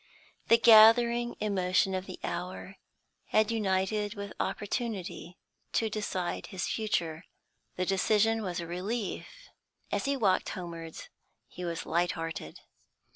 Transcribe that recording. The gathering emotion of the hour had united with opportunity to decide his future. The decision was a relief; as he walked homewards, he was lighthearted.